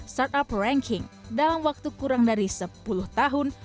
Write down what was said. startup ranking dalam waktu kurang dari sepuluh tahun